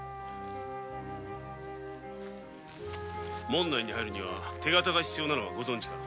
門内に入るには手形が必要なのは御存じか？